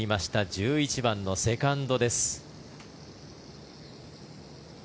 １１番のセカンドです。